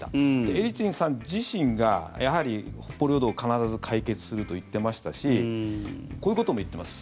エリツィンさん自身がやはり、北方領土を必ず解決すると言っていましたしこういうことも言っています。